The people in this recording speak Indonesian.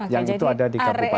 yang itu ada di kabupaten